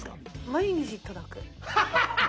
毎日届く。